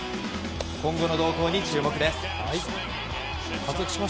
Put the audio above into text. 今後の動向に注目です。